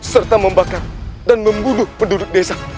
serta membakar dan membunuh penduduk desa